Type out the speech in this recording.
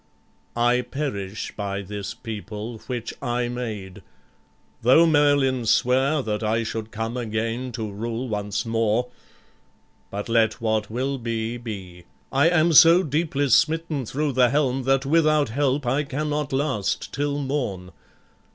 I perish by this people which I made, Tho' Merlin sware that I should come again To rule once more; but, let what will be, be, I am so deeply smitten thro' the helm That without help I cannot last till morn.